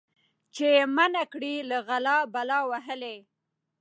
چي یې منع کړي له غلا بلا وهلی